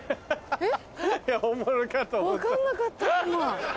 えっ？